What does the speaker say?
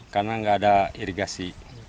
karena gak ada irigasi